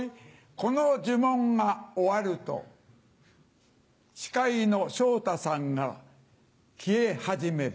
この呪文が終わると司会の昇太さんが消え始める。